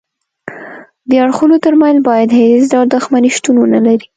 د اړخونو ترمنځ باید هیڅ ډول دښمني شتون ونلري